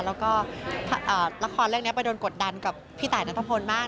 แล้วก็ละครเรื่องนี้ไปโดนกดดันกับพี่ตายนัทพลมาก